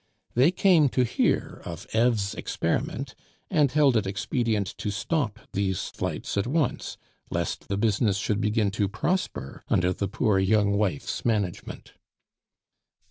They came to hear of Eve's experiment, and held it expedient to stop these flights at once, lest the business should begin to prosper under the poor young wife's management.